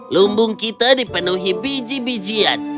lumbung kita dipenuhi biji bijian